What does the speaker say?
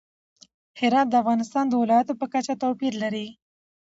هرات د افغانستان د ولایاتو په کچه توپیر لري.